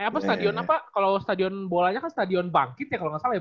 apa stadion apa kalau stadion bolanya kan stadion bangkit ya kalau nggak salah ya